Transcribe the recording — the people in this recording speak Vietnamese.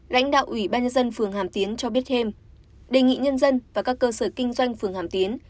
lãnh đạo ủy ban nhân dân phường hàm tiến cho biết thêm đề nghị nhân dân và các cơ sở kinh doanh phường hàm tiến